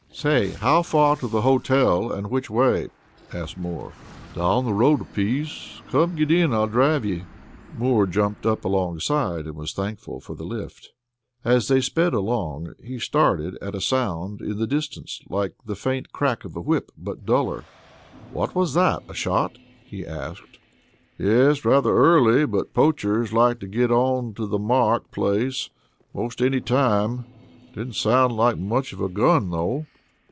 "Say, how far to the hotel and which way?" asked Moore. "Down the road a piece. Come, get in. I'll drive ye." Moore jumped up alongside, and was thankful for the lift. As they sped along, he started at a sound in the distance like the faint crack of a whip, but duller. "What was that a shot?" he said. "Yes; rather early, but poachers like to get on to the Mark place 'most any time. Didn't sound like much of a gun, though."